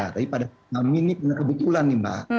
tapi pada kami ini benar kebetulan nih mbak